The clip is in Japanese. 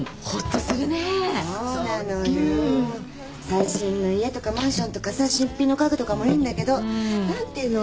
最新の家とかマンションとかさ新品の家具とかもいいんだけど何ていうの？